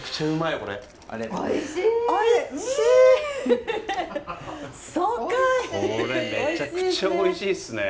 これめちゃくちゃおいしいっすね。